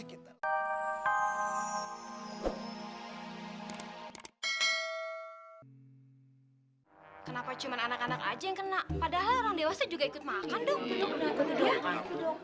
kenapa cuma anak anak aja yang kena padahal orang dewasa juga ikut makan dong